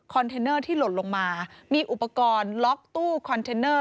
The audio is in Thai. เทนเนอร์ที่หล่นลงมามีอุปกรณ์ล็อกตู้คอนเทนเนอร์